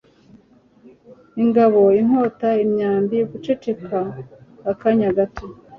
ingabo inkota n’imyambi guceceka akanya gato